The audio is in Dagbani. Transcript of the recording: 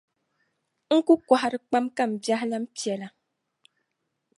N ku kɔhiri kpam ka m biɛhi lan piɛla.